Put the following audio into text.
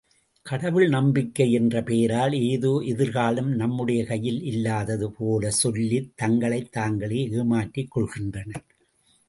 கடவுள் நம்பிக்கை என்ற பெயரால் ஏதோ எதிர்காலம் நம்முடைய கையில் இல்லாதது போலச்சொல்லித் தங்களைத் தாங்களே ஏமாற்றிக் கொள்கின்றனர்.